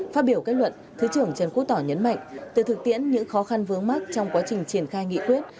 phát biểu kết luận thứ trưởng trần quốc tỏ nhấn mạnh từ thực tiễn những khó khăn vướng mắt trong quá trình triển khai nghị quyết